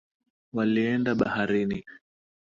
Walienda baharini.